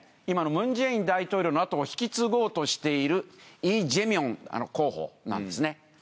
今のムンジェイン大領のあとを引き継ごうとしているイジェミョン候補なんですね。